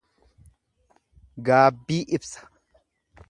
Gaabbii ibsa.